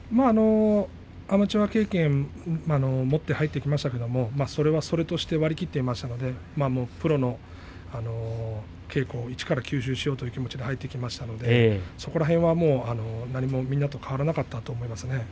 アマチュア経験を持って入ってきましたがそれはそれとして割り切っていましたのでプロの稽古に力を吸収しようという気持ちで入ってきましたのでその辺りはみんなと変わらなかったと思いますね。